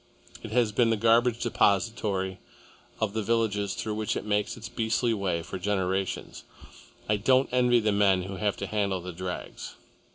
It has been the garbage depository of the villages through which it makes its beastly way, for generations. I don't envy the men who have to handle the drags."